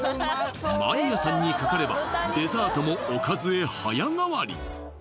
マニアさんにかかればデザートもおかずへ早変わり！